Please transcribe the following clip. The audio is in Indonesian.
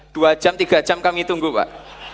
dua jam tiga jam kami tunggu pak